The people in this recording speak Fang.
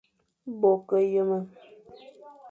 Bo ke yeme,